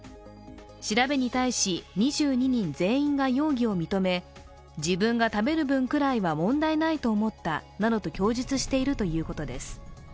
調べに対し、２２人全員が容疑を認め自分が食べる分くらいは問題ないと思ったなどと供述しているということです。